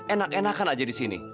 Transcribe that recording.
enak enakan aja disini